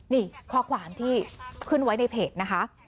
นี่ข้อความที่ขึ้นไว้ในเพจนะคะ